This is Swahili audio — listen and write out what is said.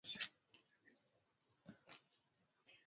philip alitajwa katika barua za ushujaa